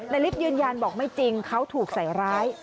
ลิฟต์ยืนยันบอกไม่จริงเขาถูกใส่ร้าย